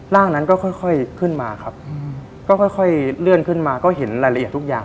ร่างนั้นก็ค่อยขึ้นมาครับก็ค่อยเลื่อนขึ้นมาก็เห็นรายละเอียดทุกอย่าง